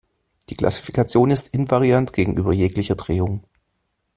Die Klassifikation ist invariant gegenüber jeglicher Drehung.